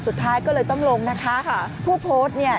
สุดท้ายก็เลยต้องลงนะคะค่ะผู้โพสต์เนี่ย